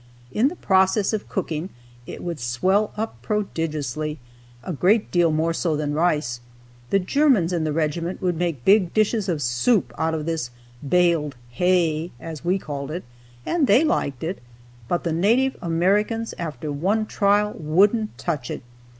In the process of cooking, it would swell up prodigiously, a great deal more so than rice. The Germans in the regiment would make big dishes of soup out of this "baled hay," as we called it, and they liked it, but the native Americans, after one trial, wouldn't touch it.